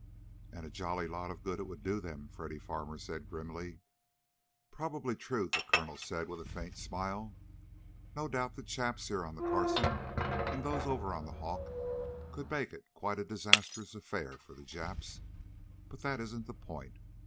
"And a jolly lot of good it would do them!" Freddy Farmer said grimly. "Probably true," the colonel said with a faint smile. "No doubt the chaps here on the Carson and those over on the Hawk, could make it quite a disastrous affair for the Japs. But that isn't the point.